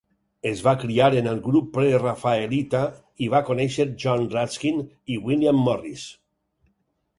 Es va criar en el grup prerafaelita i va conèixer John Ruskin i William Morris.